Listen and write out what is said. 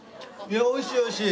おいしいおいしい。